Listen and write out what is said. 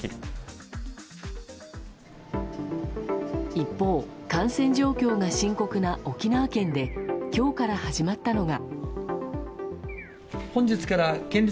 一方、感染状況が深刻な沖縄県で今日から始まったのが。